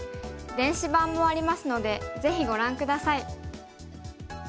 電子版もありますのでぜひご覧下さい。